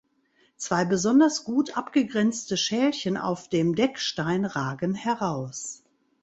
Zwei besonders gut abgrenzte Schälchen auf dem Deckstein ragen heraus.